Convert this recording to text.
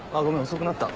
遅くなった。